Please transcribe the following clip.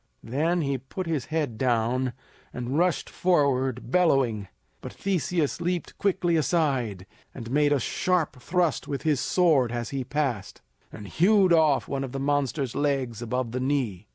Then he put his head down, and rushed forward, bellowing. But Theseus leaped quickly aside, and made a sharp thrust with his sword as he passed, and hewed off one of the monster's legs above the knee.